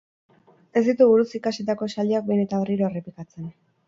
Ez ditu buruz ikasitako esaldiak behin eta berriro errepikatzen.